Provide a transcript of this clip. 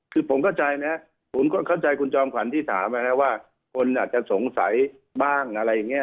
คือผมเข้าใจนะผมเข้าใจคุณจอมขวัญที่ถามนะครับว่าคนอาจจะสงสัยบ้างอะไรอย่างนี้